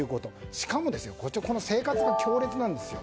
しかもその生活が強烈なんですよ。